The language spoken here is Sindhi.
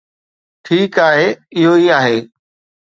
ٺيڪ آهي، اهو ئي آهي.